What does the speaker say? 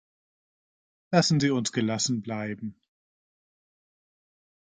Lassen Sie uns gelassen bleiben.